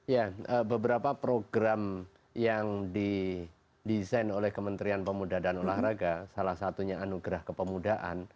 ya beberapa program yang didesain oleh kementerian pemuda dan olahraga salah satunya anugerah kepemudaan